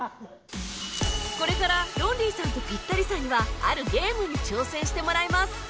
これからロンリーさんとピッタリさんにはあるゲームに挑戦してもらいます